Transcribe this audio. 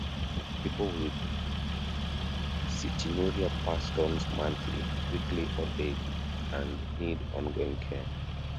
People with cystinuria pass stones monthly, weekly, or daily, and need ongoing care.